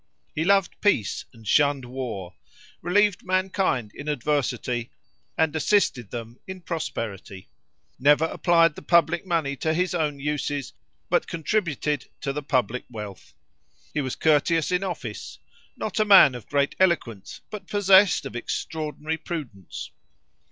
He loved peace and shunned war; relieved mankind in adversity, and assisted them in prosperity; never applied the public money to his own uses, but contributed to the public wealth. He was courteous in office; not a man of great eloquence, but possessed of extraordinary prudence.